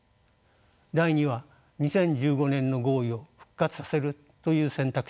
第２は２０１５年の合意を復活させるという選択肢です。